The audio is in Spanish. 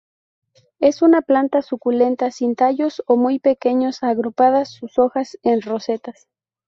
Es una planta suculenta sin tallos o muy pequeños, agrupadas sus hojas en rosetas.